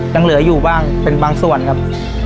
ยังเหลืออยู่บ้างเป็นบางส่วนครับ